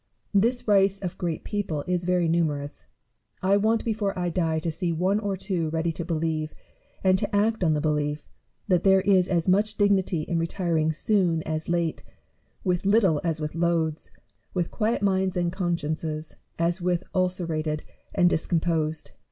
This race of great people is very numerous. I want before 1 die to see one or two ready to believe, and to act on the belief, that there is as much dignity in retiring soon as late, with little as with loads, with quiet minds and consciences as with ulcerated or discomposed.